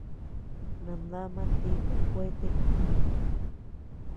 Nandama tíku kuete.